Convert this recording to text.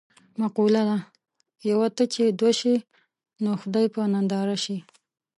مقوله ده: یوه ته چې دوه شي نو خدای یې په ننداره شي.